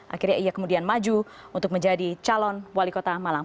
akhirnya ia kemudian maju untuk menjadi calon wali kota malang